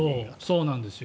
そうなんですよ。